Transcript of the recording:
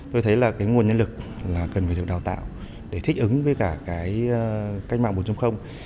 tôi thấy là nguồn nhân lực cần phải được đào tạo để thích ứng với cả cách mạng bốn